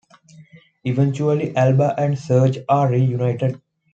Eventually Alba and Serge are reunited.